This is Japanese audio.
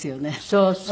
そうそう。